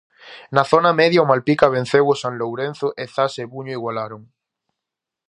Na zona media o Malpica venceu o San Lourenzo e Zas e Buño igualaron.